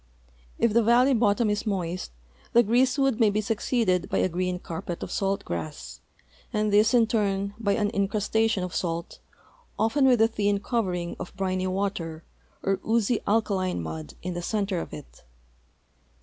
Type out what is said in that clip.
If the valley bottom is moist, the greasewood may be succeeded by a green carpet of salt grass, and this in turn by an incrustation of salt, often with a thin cov ering of briny water or oozy alkaline mud in the center of it.